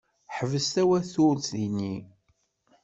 Ḥbes tawaturt-nni!